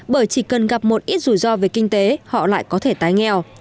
bởi chỉ cần gặp một ít rủi ro về kinh tế họ lại có thể tái nghèo